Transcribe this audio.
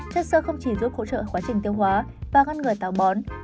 chất sơ không chỉ giúp hỗ trợ quá trình tiêu hóa và ngăn ngừa tàu bón